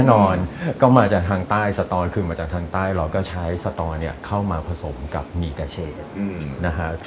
แน่นอนก็มาจากทางใต้สตอนคือมาจากทางใต้เราก็ใช้สตอเนี่ยเข้ามาผสมกับหมี่กระเชษนะฮะ